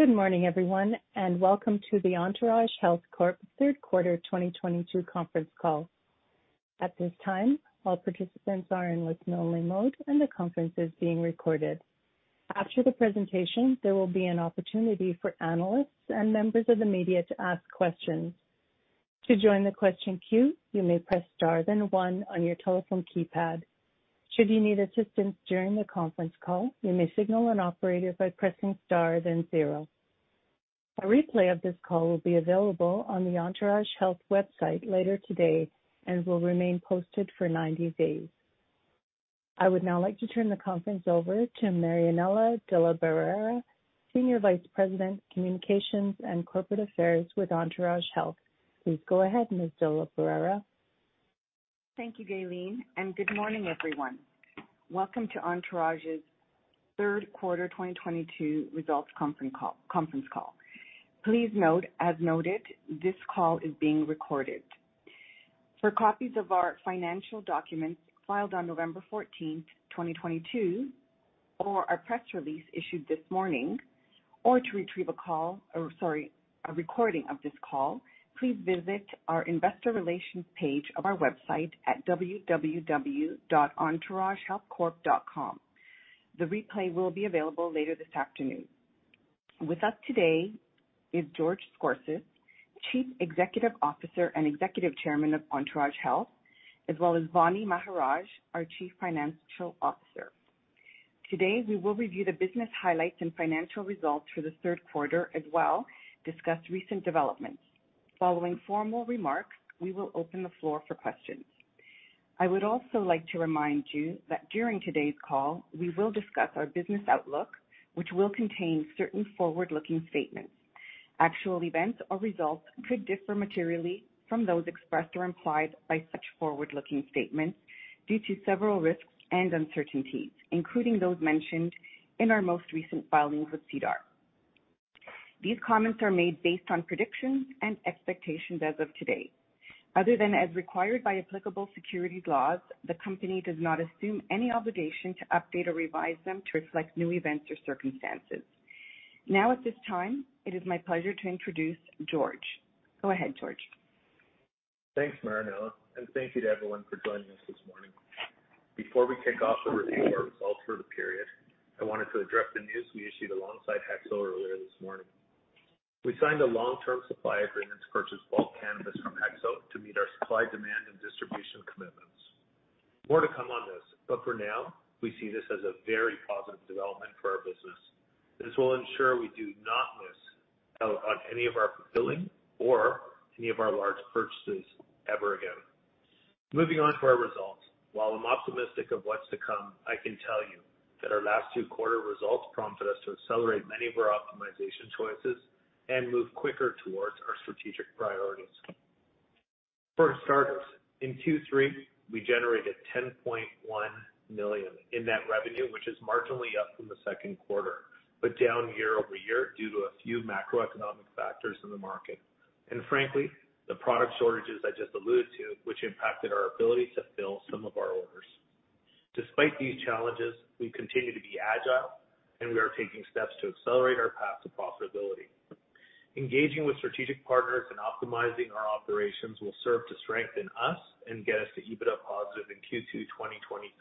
Good morning, everyone, and welcome to the Entourage Health Corp. third quarter 2022 conference call. At this time, all participants are in listen-only mode, and the conference is being recorded. After the presentation, there will be an opportunity for analysts and members of the media to ask questions. To join the question queue, you may press star, then one on your telephone keypad. Should you need assistance during the conference call, you may signal an operator by pressing star, then zero. A replay of this call will be available on the Entourage Health website later today and will remain posted for 90 days. I would now like to turn the conference over to Marianella De La Barrera, Senior Vice President, Communications and Corporate Affairs with Entourage Health. Please go ahead, Ms. De La Barrera. Thank you, Gaylene, and good morning, everyone. Welcome to Entourage's third quarter 2022 results conference call. Please note, as noted, this call is being recorded. For copies of our financial documents filed on November 14, 2022, or our press release issued this morning, or to retrieve a recording of this call, please visit our investor relations page of our website at www.entouragehealthcorp.com. The replay will be available later this afternoon. With us today is George Scorsis, Chief Executive Officer and Executive Chairman of Entourage Health, as well as Vaani Maharaj, our Chief Financial Officer. Today, we will review the business highlights and financial results for the third quarter, as well as discuss recent developments. Following formal remarks, we will open the floor for questions. I would also like to remind you that during today's call, we will discuss our business outlook, which will contain certain forward-looking statements. Actual events or results could differ materially from those expressed or implied by such forward-looking statements due to several risks and uncertainties, including those mentioned in our most recent filings with SEDAR. These comments are made based on predictions and expectations as of today. Other than as required by applicable security laws, the company does not assume any obligation to update or revise them to reflect new events or circumstances. Now, at this time, it is my pleasure to introduce George. Go ahead, George. Thanks, Marianella, and thank you to everyone for joining us this morning. Before we kick off the review of our results for the period, I wanted to address the news we issued alongside HEXO earlier this morning. We signed a long-term supply agreement to purchase bulk cannabis from HEXO to meet our supply, demand, and distribution commitments. More to come on this, but for now, we see this as a very positive development for our business. This will ensure we do not miss out on any of our fulfilling or any of our large purchases ever again. Moving on to our results. While I'm optimistic of what's to come, I can tell you that our last two quarter results prompted us to accelerate many of our optimization choices and move quicker towards our strategic priorities. For starters, in Q3, we generated 10.1 million in net revenue, which is marginally up from the second quarter, but down year-over-year due to a few macroeconomic factors in the market, and frankly, the product shortages I just alluded to, which impacted our ability to fill some of our orders. Despite these challenges, we continue to be agile, and we are taking steps to accelerate our path to profitability. Engaging with strategic partners and optimizing our operations will serve to strengthen us and get us to EBITDA positive in Q2 2023.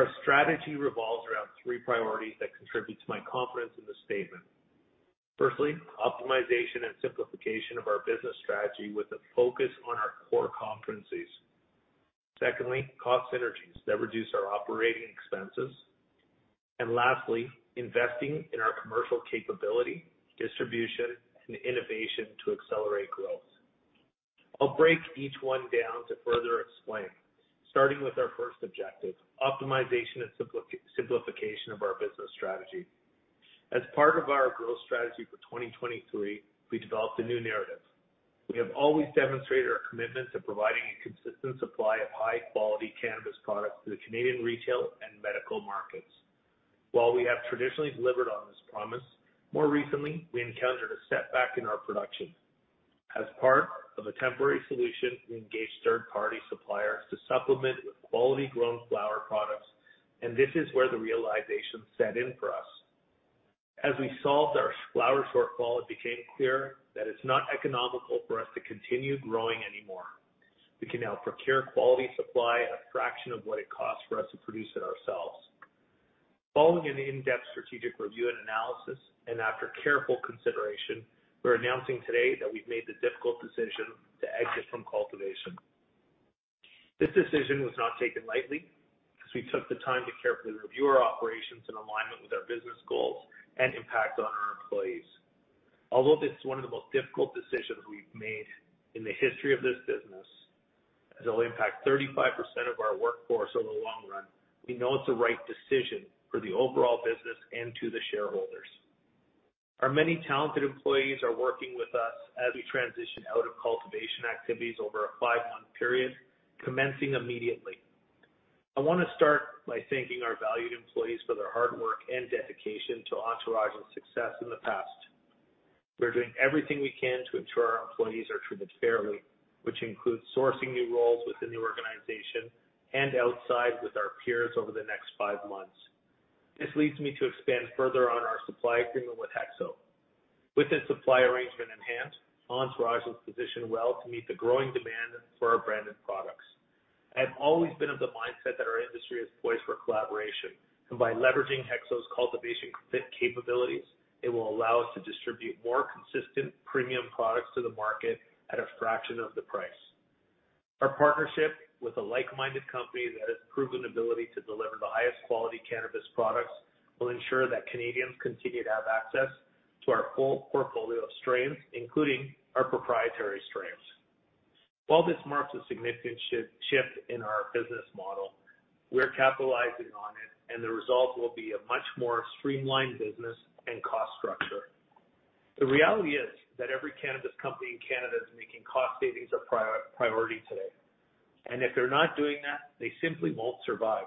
Our strategy revolves around three priorities that contribute to my confidence in this statement. Firstly, optimization and simplification of our business strategy with a focus on our core competencies. Secondly, cost synergies that reduce our operating expenses. Lastly, investing in our commercial capability, distribution, and innovation to accelerate growth. I'll break each one down to further explain, starting with our first objective, optimization and simplification of our business strategy. As part of our growth strategy for 2023, we developed a new narrative. We have always demonstrated our commitment to providing a consistent supply of high-quality cannabis products to the Canadian retail and medical markets. While we have traditionally delivered on this promise, more recently, we encountered a setback in our production. As part of a temporary solution, we engaged third-party suppliers to supplement with quality grown flower products, and this is where the realization set in for us. As we solved our flower shortfall, it became clear that it's not economical for us to continue growing anymore. We can now procure quality supply at a fraction of what it costs for us to produce it ourselves. Following an in-depth strategic review and analysis, and after careful consideration, we're announcing today that we've made the difficult decision to exit from cultivation. This decision was not taken lightly, as we took the time to carefully review our operations in alignment with our business goals and impact on our employees. Although this is one of the most difficult decisions we've made in the history of this business, as it'll impact 35% of our workforce over the long run, we know it's the right decision for the overall business and to the shareholders. Our many talented employees are working with us as we transition out of cultivation activities over a five-month period, commencing immediately. I wanna start by thanking our valued employees for their hard work and dedication to Entourage's success in the past. We're doing everything we can to ensure our employees are treated fairly, which includes sourcing new roles within the organization and outside with our peers over the next five months. This leads me to expand further on our supply agreement with HEXO. With this supply arrangement in hand, Entourage is positioned well to meet the growing demand for our branded products. I have always been of the mindset that our industry is poised for collaboration, and by leveraging HEXO's cultivation facility capabilities, it will allow us to distribute more consistent premium products to the market at a fraction of the price. Our partnership with a like-minded company that has proven ability to deliver the highest quality cannabis products will ensure that Canadians continue to have access to our full portfolio of strains, including our proprietary strains. While this marks a significant shift in our business model, we're capitalizing on it, and the result will be a much more streamlined business and cost structure. The reality is that every cannabis company in Canada is making cost savings a priority today, and if they're not doing that, they simply won't survive.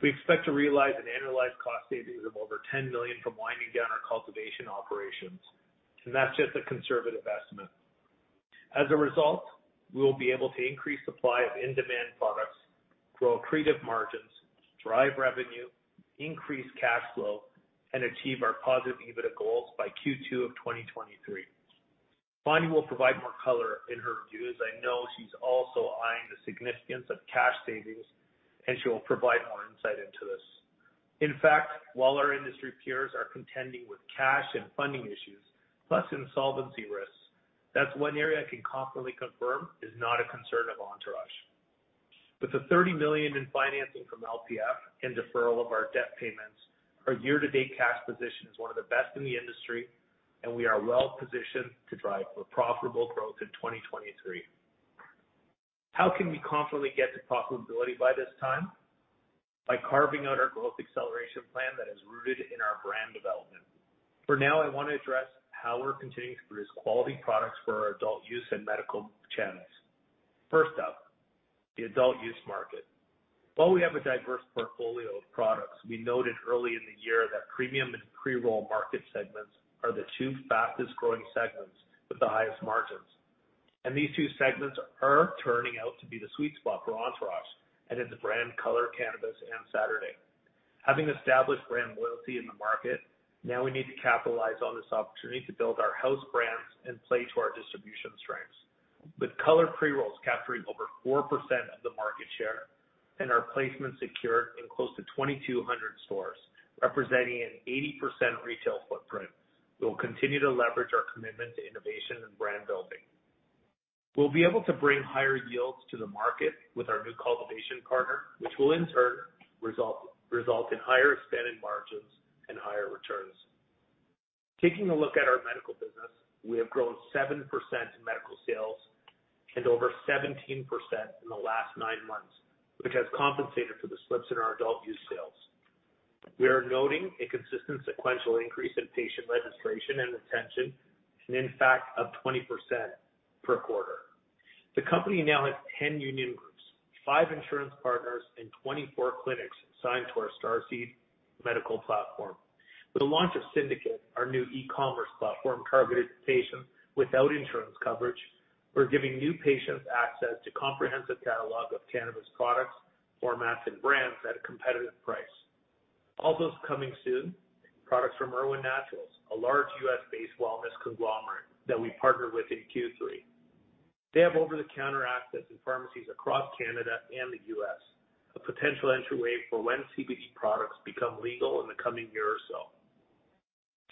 We expect to realize an annualized cost savings of over 10 million from winding down our cultivation operations, and that's just a conservative estimate. As a result, we will be able to increase supply of in-demand products, grow accretive margins, drive revenue, increase cash flow, and achieve our positive EBITDA goals by Q2 of 2023. Vaani will provide more color in her review, as I know she's also eyeing the significance of cash savings, and she will provide more insight into this. In fact, while our industry peers are contending with cash and funding issues, plus insolvency risks, that's one area I can confidently confirm is not a concern of Entourage. With the CAD 30 million in financing from LPF and deferral of our debt payments, our year-to-date cash position is one of the best in the industry, and we are well positioned to drive for profitable growth in 2023. How can we confidently get to profitability by this time? By carving out our growth acceleration plan that is rooted in our brand development. For now, I want to address how we're continuing to produce quality products for our adult use and medical channels. First up, the adult use market. While we have a diverse portfolio of products, we noted early in the year that premium and pre-roll market segments are the two fastest-growing segments with the highest margins. These two segments are turning out to be the sweet spot for Entourage and in the brand Color Cannabis and Saturday Cannabis. Having established brand loyalty in the market, now we need to capitalize on this opportunity to build our house brands and play to our distribution strengths. With Color pre-rolls capturing over 4% of the market share and our placement secured in close to 2,200 stores, representing an 80% retail footprint, we will continue to leverage our commitment to innovation and brand building. We'll be able to bring higher yields to the market with our new cultivation partner, which will in turn result in higher spending margins and higher returns. Taking a look at our medical business, we have grown 7% in medical sales and over 17% in the last nine months, which has compensated for the slips in our adult-use sales. We are noting a consistent sequential increase in patient registration and retention, and in fact 20% per quarter. The company now has 10 union groups, five insurance partners, and 24 clinics signed to our Starseed medical platform. With the launch of Syndicate, our new e-commerce platform targeted to patients without insurance coverage, we're giving new patients access to comprehensive catalog of cannabis products, formats, and brands at a competitive price. Also coming soon, products from Irwin Naturals, a large U.S.-based wellness conglomerate that we partnered with in Q3. They have over-the-counter access in pharmacies across Canada and the U.S., a potential entryway for when CBD products become legal in the coming year or so.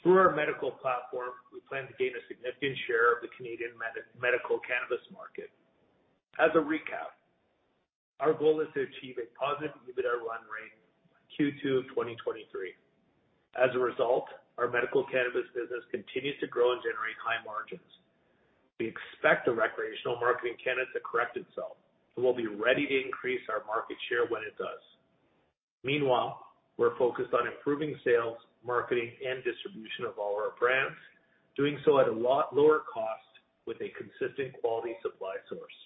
Through our medical platform, we plan to gain a significant share of the Canadian medical cannabis market. As a recap, our goal is to achieve a positive EBITDA run rate by Q2 of 2023. As a result, our medical cannabis business continues to grow and generate high margins. We expect the recreational market in Canada to correct itself, and we'll be ready to increase our market share when it does. Meanwhile, we're focused on improving sales, marketing, and distribution of all our brands, doing so at a lot lower cost with a consistent quality supply source.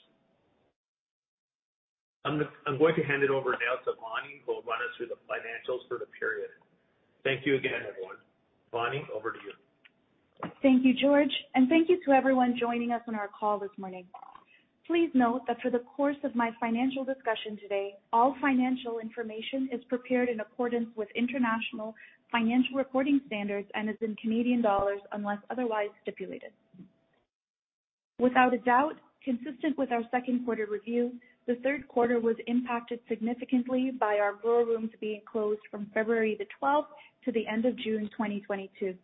I'm going to hand it over now to Vaani, who will run us through the financials for the period. Thank you again, everyone. Vaani, over to you. Thank you, George, and thank you to everyone joining us on our call this morning. Please note that through the course of my financial discussion today, all financial information is prepared in accordance with international financial reporting standards and is in Canadian dollars, unless otherwise stipulated. Without a doubt, consistent with our second quarter review, the third quarter was impacted significantly by our grow rooms being closed from February 12 to the end of June 2022.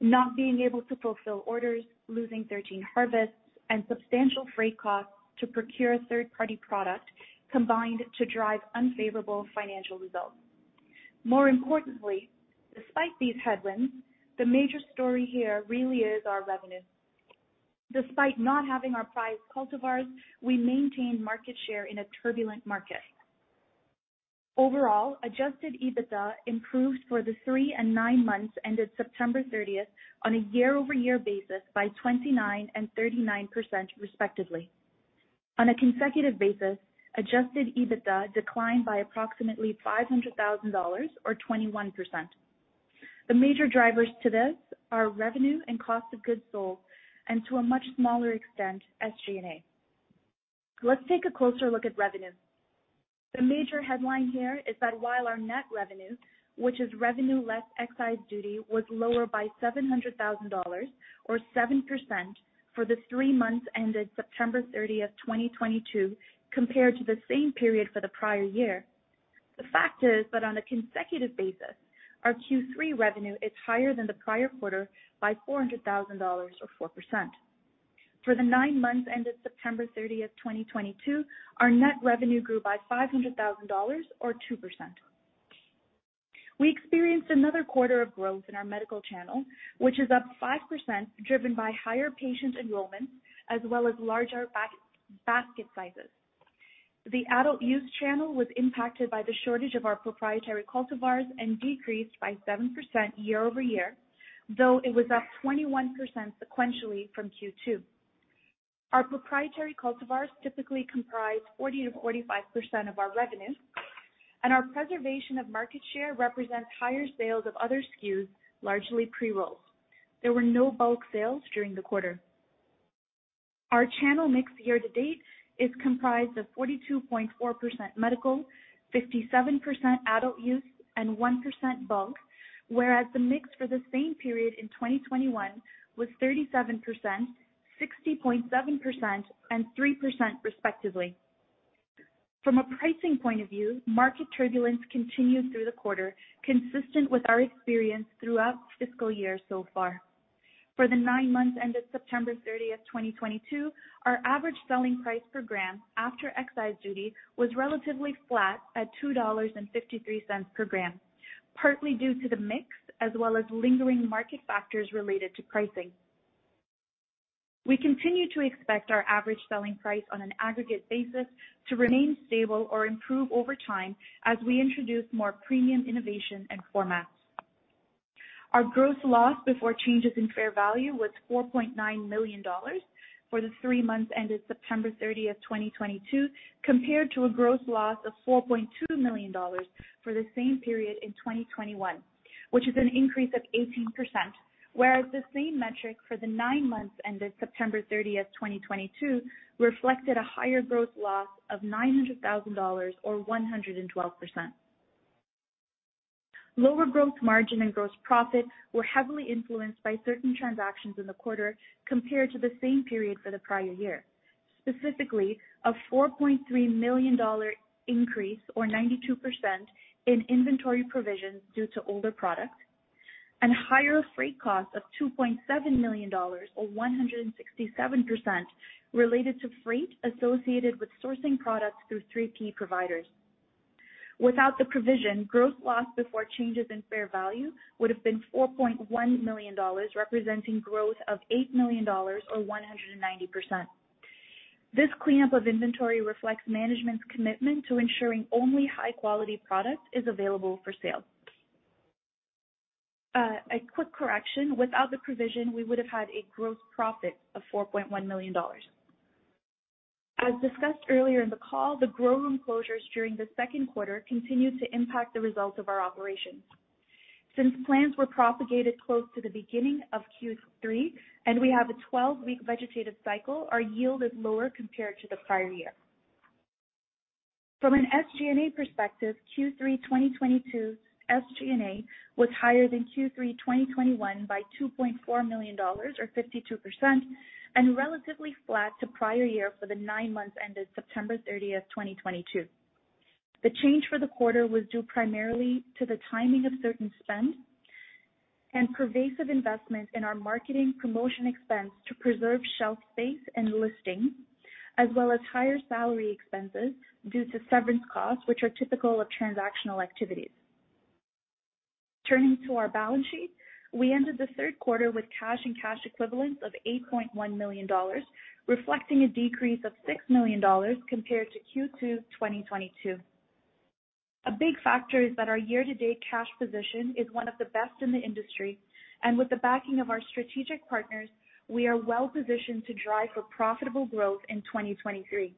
Not being able to fulfill orders, losing 13 harvests, and substantial freight costs to procure a third-party product combined to drive unfavorable financial results. More importantly, despite these headwinds, the major story here really is our revenue. Despite not having our prized cultivars, we maintained market share in a turbulent market. Overall, adjusted EBITDA improved for the three and nine months ended September 30 on a year-over-year basis by 29% and 39%, respectively. On a consecutive basis, adjusted EBITDA declined by approximately 500,000 dollars or 21%. The major drivers to this are revenue and cost of goods sold, and to a much smaller extent, SG&A. Let's take a closer look at revenue. The major headline here is that while our net revenue, which is revenue less excise duty, was lower by 700,000 dollars or 7% for the three months ended September 30, 2022 compared to the same period for the prior year. The fact is that on a consecutive basis, our Q3 revenue is higher than the prior quarter by 400,000 dollars or 4%. For the nine months ended September 30, 2022, our net revenue grew by 500,000 dollars or 2%. We experienced another quarter of growth in our medical channel, which is up 5%, driven by higher patient enrollments as well as larger basket sizes. The adult use channel was impacted by the shortage of our proprietary cultivars and decreased by 7% year-over-year, though it was up 21% sequentially from Q2. Our proprietary cultivars typically comprise 40%-45% of our revenue, and our preservation of market share represents higher sales of other SKUs, largely pre-rolls. There were no bulk sales during the quarter. Our channel mix year to date is comprised of 42.4% medical, 57% adult use, and 1% bulk, whereas the mix for the same period in 2021 was 37%, 60.7%, and 3% respectively. From a pricing point of view, market turbulence continued through the quarter, consistent with our experience throughout fiscal year so far. For the nine months ended September 30, 2022, our average selling price per gram after excise duty was relatively flat at 2.53 dollars per gram, partly due to the mix as well as lingering market factors related to pricing. We continue to expect our average selling price on an aggregate basis to remain stable or improve over time as we introduce more premium innovation and formats. Our gross loss before changes in fair value was 4.9 million dollars for the three months ended September 30, 2022, compared to a gross loss of 4.2 million dollars for the same period in 2021, which is an increase of 18%, whereas the same metric for the nine months ended September 30, 2022 reflected a higher gross loss of 900,000 dollars or 112%. Gross margin and gross profit were heavily influenced by certain transactions in the quarter compared to the same period for the prior year. Specifically, a 4.3 million dollar increase or 92% in inventory provisions due to older products, and higher freight costs of 2.7 million dollars, or 167%, related to freight associated with sourcing products through 3P providers. Without the provision, gross loss before changes in fair value would have been 4.1 million dollars, representing growth of 8 million dollars or 190%. This cleanup of inventory reflects management's commitment to ensuring only high-quality product is available for sale. A quick correction, without the provision, we would have had a gross profit of 4.1 million dollars. As discussed earlier in the call, the grow room closures during the second quarter continued to impact the results of our operations. Since plants were propagated close to the beginning of Q3 and we have a 12-week vegetative cycle, our yield is lower compared to the prior year. From an SG&A perspective, Q3 2022 SG&A was higher than Q3 2021 by 2.4 million dollars or 52% and relatively flat to prior year for the nine months ended September 30, 2022. The change for the quarter was due primarily to the timing of certain spends and pervasive investments in our marketing promotion expense to preserve shelf space and listing, as well as higher salary expenses due to severance costs which are typical of transactional activities. Turning to our balance sheet, we ended the third quarter with cash and cash equivalents of 8.1 million dollars, reflecting a decrease of 6 million dollars compared to Q2 2022. A big factor is that our year-to-date cash position is one of the best in the industry, and with the backing of our strategic partners, we are well-positioned to drive for profitable growth in 2023.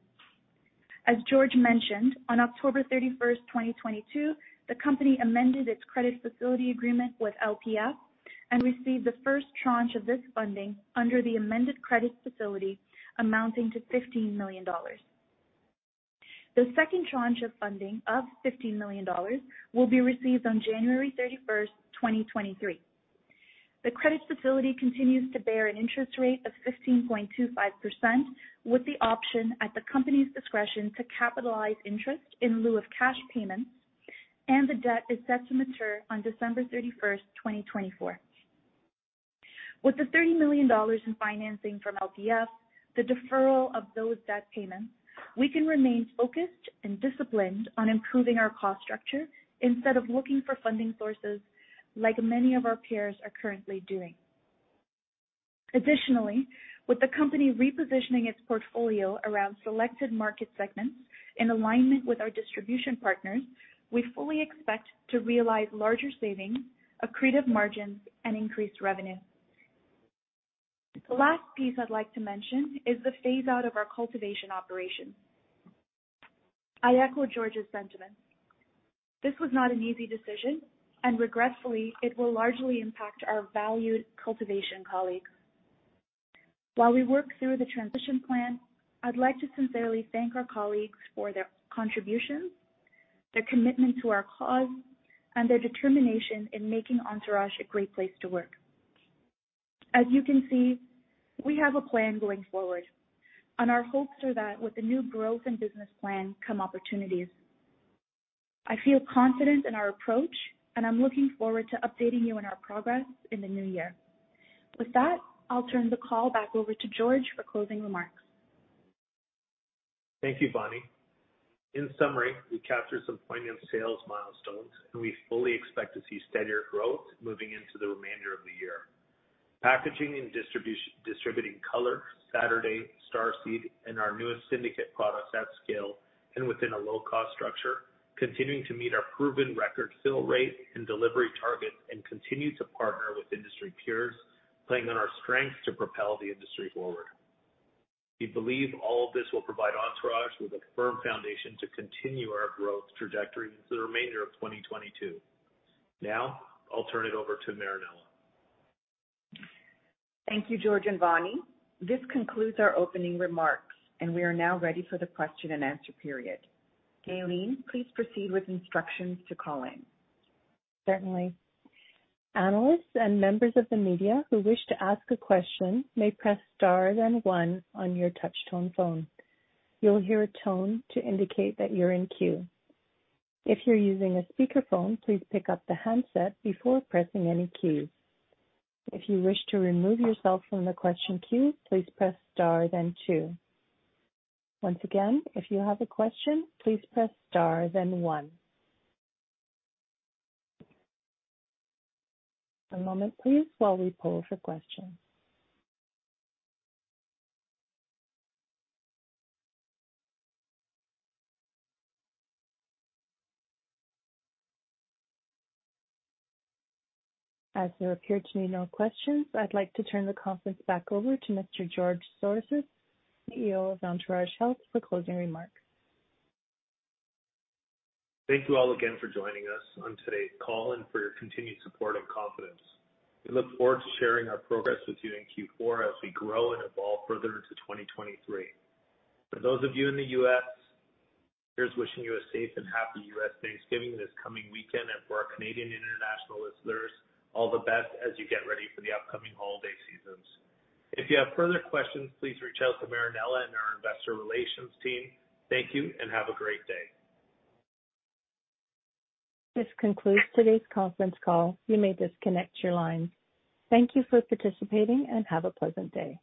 As George mentioned, on October 31, 2022, the company amended its credit facility agreement with LPF and received the first tranche of this funding under the amended credit facility amounting to 15 million dollars. The second tranche of funding of 15 million dollars will be received on January 31, 2023. The credit facility continues to bear an interest rate of 15.25%, with the option at the company's discretion to capitalize interest in lieu of cash payments, and the debt is set to mature on December 31, 2024. With the 30 million dollars in financing from LPF, the deferral of those debt payments, we can remain focused and disciplined on improving our cost structure instead of looking for funding sources like many of our peers are currently doing. Additionally, with the company repositioning its portfolio around selected market segments in alignment with our distribution partners, we fully expect to realize larger savings, accretive margins, and increased revenue. The last piece I'd like to mention is the phase-out of our cultivation operation. I echo George's sentiments. This was not an easy decision, and regretfully, it will largely impact our valued cultivation colleagues. While we work through the transition plan, I'd like to sincerely thank our colleagues for their contributions, their commitment to our cause, and their determination in making Entourage a great place to work. As you can see, we have a plan going forward, and our hopes are that with the new growth and business plan come opportunities. I feel confident in our approach, and I'm looking forward to updating you on our progress in the new year. With that, I'll turn the call back over to George for closing remarks. Thank you, Vaani. In summary, we captured some poignant sales milestones, and we fully expect to see steadier growth moving into the remainder of the year. Packaging and distributing Color, Saturday, Starseed, and our newest Syndicate products at scale and within a low-cost structure, continuing to meet our proven record fill rate and delivery targets and continue to partner with industry peers, playing on our strengths to propel the industry forward. We believe all of this will provide Entourage with a firm foundation to continue our growth trajectory into the remainder of 2022. Now, I'll turn it over to Marianella. Thank you, George and Vaani. This concludes our opening remarks, and we are now ready for the question-and-answer period. Gaylene, please proceed with instructions to call in. Certainly. Analysts and members of the media who wish to ask a question may press star then one on your touchtone phone. You'll hear a tone to indicate that you're in queue. If you're using a speakerphone, please pick up the handset before pressing any keys. If you wish to remove yourself from the question queue, please press star then two. Once again, if you have a question, please press star then one. One moment, please, while we poll for questions. As there appear to be no questions, I'd like to turn the conference back over to Mr. George Scorsis, CEO of Entourage Health, for closing remarks. Thank you all again for joining us on today's call and for your continued support and confidence. We look forward to sharing our progress with you in Q4 as we grow and evolve further into 2023. For those of you in the U.S., here's wishing you a safe and happy U.S. Thanksgiving this coming weekend. For our Canadian international listeners, all the best as you get ready for the upcoming holiday seasons. If you have further questions, please reach out to Marianella and our investor relations team. Thank you, and have a great day. This concludes today's conference call. You may disconnect your lines. Thank you for participating, and have a pleasant day.